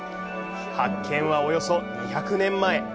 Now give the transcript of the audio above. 発見はおよそ２００年前。